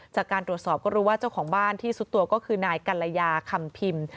จากการตรวจสอบก็รู้ว่าเจ้าของบ้านที่สุดตัวก็คือนายกัลยาคำพิมพ์